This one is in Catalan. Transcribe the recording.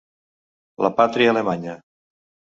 La pàtria alemanya.